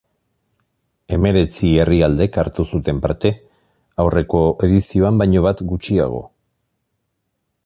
Hemeretzi herrialdek hartu zuten parte, aurreko edizioan baino bat gutxiago.